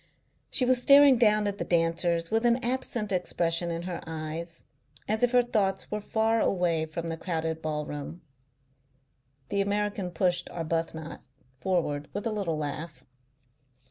She was staring down at the dancers with an absent expression in her eyes, as if her thoughts were far away from the crowded ballroom. The American pushed Arbuthnot forward with a little laugh.